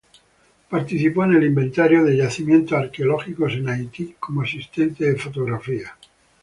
Participó en el inventario de yacimientos arqueológicos en Haití, como asistente de fotografía.